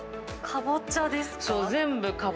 かぼちゃですか？